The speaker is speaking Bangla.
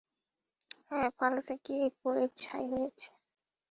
হ্যাঁ, পালাতে গিয়েই পুড়ে ছাই হয়েছে!